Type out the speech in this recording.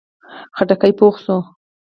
خټکی پوخ شو.